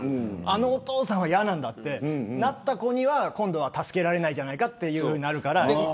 あのお父さんは嫌なんだとなった子には今度は助けられないじゃないかとなるから。